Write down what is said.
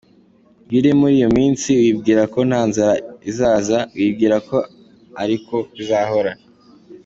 Iyo uri muri iyo minsi , wibwira ko nta nzara izaza, wibwira ko ariko bizahora.